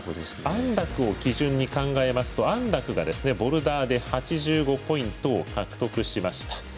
安楽を基準に考えますと安楽がボルダーで８５ポイントを獲得しました。